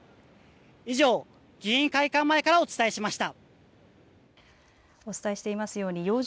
以上、議員会館前からお伝えしました。